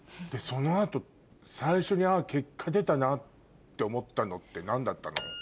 その後最初にあっ結果出たなって思ったのって何だったの？